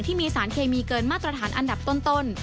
ที่มีสารเคมีเกินมาตรฐานอันดับต้น